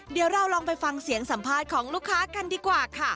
เดี๋ยวเราลองไปฟังเสียงสัมภาษณ์ของลูกค้ากันดีกว่าค่ะ